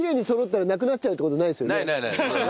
ないないない。